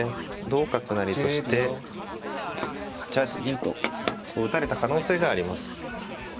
同角成として８八銀と打たれた可能性があります。